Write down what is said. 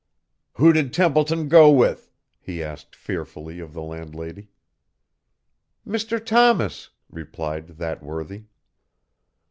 "Who did Templeton go with?" he asked fearfully of the landlady. "Mr. Thomas," replied that worthy.